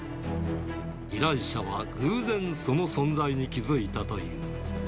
依頼者は偶然、その存在に気付いたという。